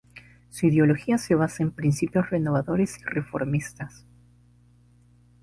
Su ideología se basa en principios renovadores y reformistas.